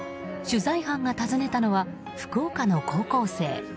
取材班が訪ねたのは福岡の高校生。